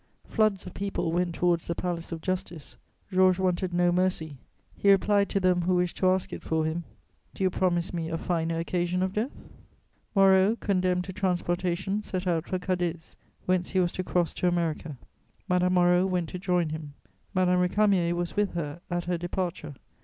Floods of people went towards the Palace of Justice. Georges wanted no mercy; he replied to them who wished to ask it for him: "Do you promise me a finer occasion of death?" Moreau, condemned to transportation, set out for Cadiz, whence he was to cross to America. Madame Moreau went to join him. Madame Récamier was with her at her departure.